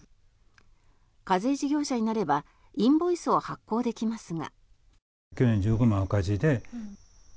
課税事業者になればインボイスを発行できますが。